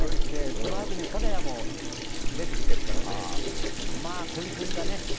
そのあとに金谷も出てきているからね、混戦だね。